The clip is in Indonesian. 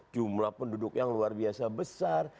jumlah penduduk yang luar biasa besar